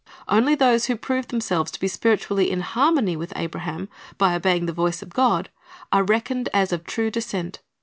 Only those who prove themselves to be .spiritually in harmony with Abraham by obeying the voice of God, are reckoned as of true descent.